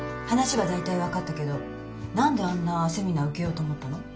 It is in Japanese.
話は大体分かったけど何であんなセミナー受けようと思ったの？